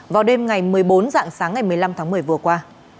vào đêm ngày một mươi bốn dạng sáng ngày một mươi năm tháng một mươi vừa qua